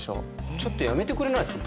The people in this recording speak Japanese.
ちょっとやめてくれないですか。